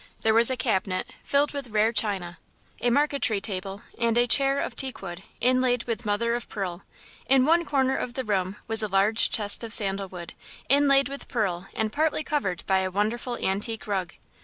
There was a cabinet, filled with rare china, a marquetry table, and a chair of teakwood, inlaid with mother of pearl. In one corner of the room was a large chest of sandal wood, inlaid with pearl and partly covered by a wonderful antique rug.